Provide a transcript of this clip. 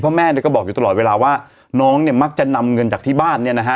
แม่เนี่ยก็บอกอยู่ตลอดเวลาว่าน้องเนี่ยมักจะนำเงินจากที่บ้านเนี่ยนะฮะ